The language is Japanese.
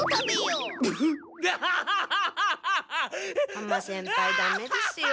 浜先輩ダメですよ